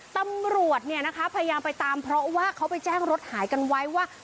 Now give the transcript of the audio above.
ตำรวจพยายามไปตามเพราะว่าเขาไปแจ้งรถหายกันไว้ว่า